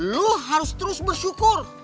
lo harus terus bersyukur